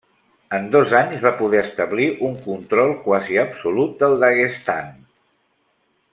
En dos anys va poder establir un control quasi absolut del Daguestan.